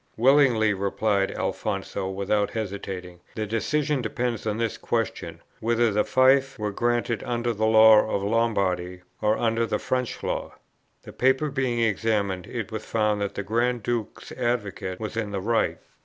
'Willingly,' replied Alfonso, without hesitating; 'the decision depends on this question whether the fief were granted under the law of Lombardy, or under the French Law.' The paper being examined, it was found that the Grand Duke's advocate was in the right.